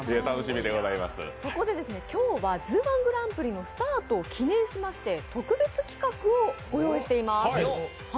「ＺＯＯ−１グランプリ」のスタートを記念いたしまして特別企画を御用意しています。